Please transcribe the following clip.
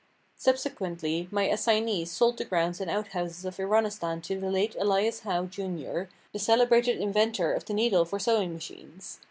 Subsequently, my assignees sold the grounds and out houses of Iranistan to the late Elias Howe, Jr., the celebrated inventor of the needle for sewing machines.